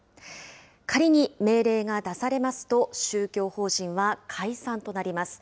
仮に命令が出されますと、宗教法人は解散となります。